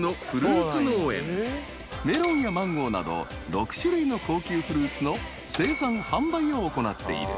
［メロンやマンゴーなど６種類の高級フルーツの生産販売を行っている］